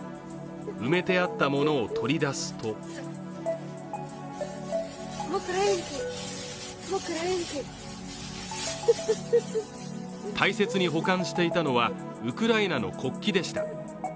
埋めてあったものを取り出すと大切に保管していたのはウクライナの国旗でした。